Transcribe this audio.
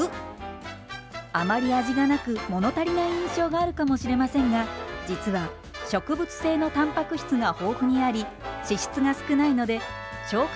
あまり味がなく物足りない印象があるかもしれませんが実は植物性のタンパク質が豊富にあり脂質が少ないので消化